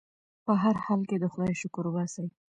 په هر حال کې د خدای شکر وباسئ.